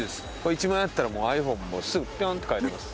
１万円あったらもうｉＰｈｏｎｅもすぐピョンって買えます。